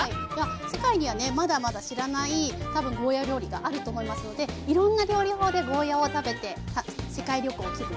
世界にはねまだまだ知らないたぶんゴーヤー料理があると思いますのでいろんな料理法でゴーヤーを食べて世界旅行気分を楽しんでほしいですね。